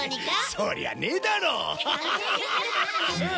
そりゃねえだろ！